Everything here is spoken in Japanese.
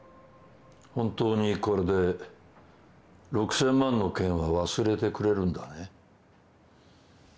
本当にこれで６，０００万の件は忘れてくれるんだね？